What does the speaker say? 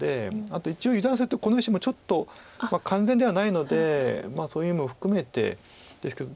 あと一応油断するとこの石もちょっと完全ではないのでそういう意味も含めてですけど。